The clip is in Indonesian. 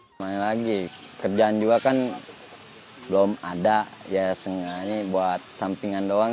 kemarin lagi kerjaan juga kan belum ada ya sengaja buat sampingan doang